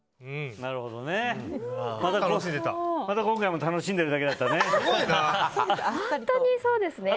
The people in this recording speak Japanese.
また今回も楽しんでるだけだったね。